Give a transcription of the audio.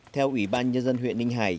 theo ủy ban nhân dân huyện ninh hải